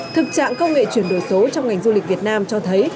thực trạng công nghệ chuyển đổi số trong ngành du lịch việt nam cho thấy